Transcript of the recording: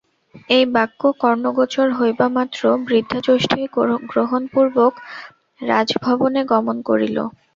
এই বাক্য কর্ণগোচর হইবামাত্র বৃদ্ধা যষ্টি গ্রহণপূর্বক রাজভবনে গমন করিল।